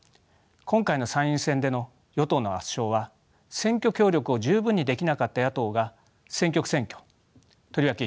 今回の参院選での与党の圧勝は選挙協力を十分にできなかった野党が選挙区選挙とりわけ